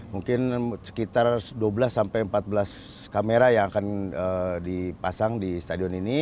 mungkin sekitar dua belas sampai empat belas kamera yang akan dipasang di stadion ini